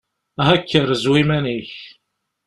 Aha kker, zwi iman-ik!